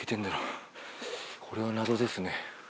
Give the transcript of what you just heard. これは謎ですね。